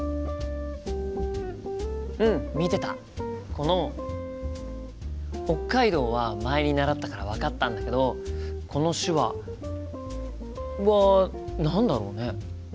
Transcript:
この「北海道」は前に習ったから分かったんだけどこの手話は何だろうね？